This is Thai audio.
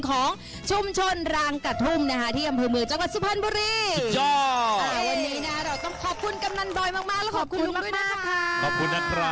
ของชุมชนรางกระทุ่มนะคะที่อำเภอเมืองจังหวัดสุพรรณบุรี